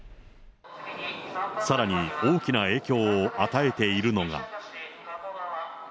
さらに、大きな影響を与えているのが。